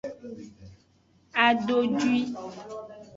Adodwi.